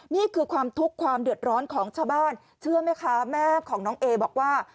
นี่คือความทุกข์ความเดือดร้อนของชาวบ้านเชื่อไหมคะแม่ของน้องเอบอกว่า